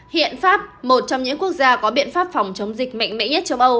hiện pháp một trong những quốc gia có biện pháp phòng chống dịch mạnh mẽ nhất châu âu